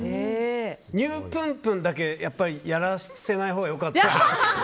ニュープンプンだけ、やっぱりやらせないほうがよかった。